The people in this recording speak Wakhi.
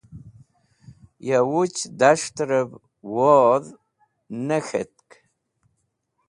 Ya wuch das̃htẽrẽv wodh nẽ k̃hitk.